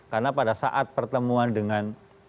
karena pada saat pertemuan dengan